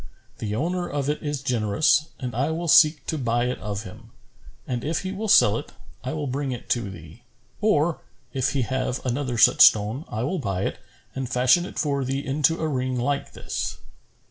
The owner of it is generous and I will seek to buy it of him; and, if he will sell it, I will bring it to thee; or, if he have another such stone I will buy it and fashion it for thee into a ring like this."